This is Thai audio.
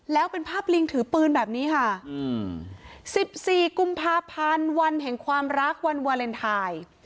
แล้วเป็นภาพลิงถือปืนแบบนี้ค่ะ๑๔กุมภาพันธ์วันแห่งความรักวันวาเลนไทย